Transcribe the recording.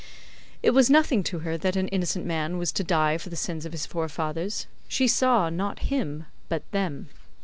It was nothing to her, that an innocent man was to die for the sins of his forefathers; she saw, not him, but them.